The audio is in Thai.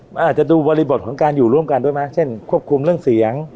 มันอาจจะดูบริบทของการอยู่ร่วมกันด้วยไหมเช่นควบคุมเรื่องเสียง